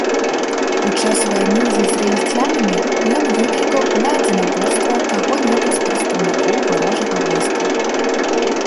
У час вайны з ізраільцянамі ён выклікаў на адзінаборства каго-небудзь з прадстаўнікоў варожага войска.